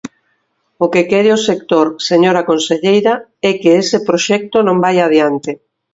O que quere o sector, señora conselleira, é que ese proxecto non vaia adiante.